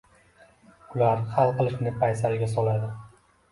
Ularni hal qilishni paysalga soladi.